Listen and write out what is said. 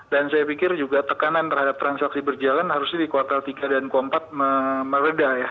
dan saya pikir juga tekanan terhadap transaksi berjalan harusnya di kuartal tiga dan kuartal empat meredah ya